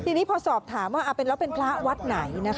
ทีนี้พอสอบถามว่าแล้วเป็นพระวัดไหน